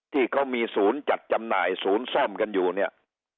ที่เขามีศูนย์จัดจำหน่ายศูนย์ซ่อมกันอยู่เนี่ย